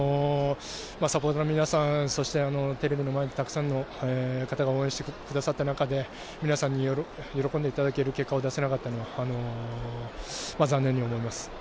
サポーターの皆さん、テレビの前でたくさんの方が応援してくださった中で、皆さんに喜んでいただける結果を出せなかったのは、残念に思います。